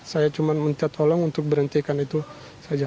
saya cuma minta tolong untuk supaya saya mau diapain gitu enggak